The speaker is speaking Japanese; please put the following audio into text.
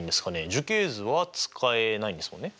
樹形図は使えないんですもんね。